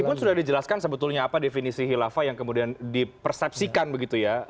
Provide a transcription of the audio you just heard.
meskipun sudah dijelaskan sebetulnya apa definisi khilafah yang kemudian dipersepsikan begitu ya